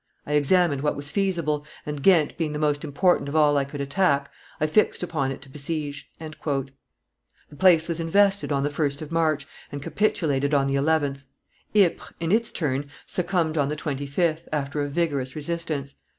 I examined what was feasible, and Ghent being the most important of all I could attack, I fixed upon it to besiege." The place was invested on the 1st of March, and capitulated on the 11th; Ypres, in its turn, succumbed on the 25th, after a vigorous resistance.